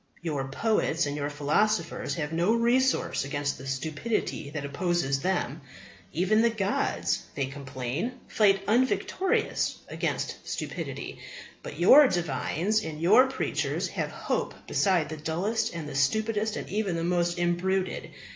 Your poets and your philosophers have no resource against the stupidity that opposes them. "Even the gods," they complain, "fight unvictorious against stupidity." But your divines and your preachers have hope beside the dullest and the stupidest and even the most imbruted.